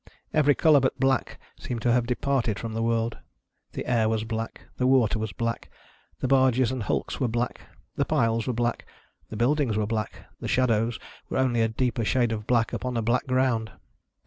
Every color but black seemed to have departed from the world. The air was black, the water w;is black, the barges and hulks were black, the piles were black, the buildings were black, the shadows were only a deeper shade of black upon a black ground.